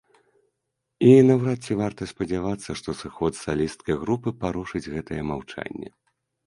І наўрад ці варта спадзявацца, што сыход салісткі групы парушыць гэтае маўчанне.